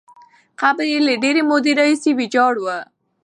قبر یې له ډېرې مودې راهیسې ویجاړ وو.